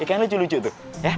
ikan lucu lucu tuh